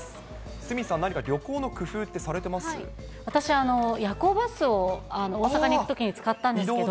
鷲見さん、私は、夜行バスを大阪に行くときに使ったんですけど。